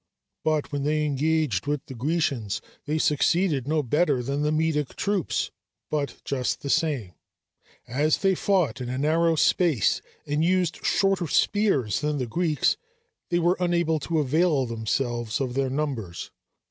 But when they engaged with the Grecians they succeeded no better than the Medic troops, but just the same; as they fought in a narrow space and used shorter spears than the Greeks, they were unable to avail themselves of their numbers.